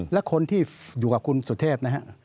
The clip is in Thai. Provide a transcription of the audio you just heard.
และคนที่อยู่กับคุณสุทธิพธ์นะครับ